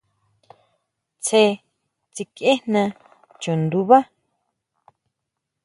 Tsé tsikʼiejna chundubá.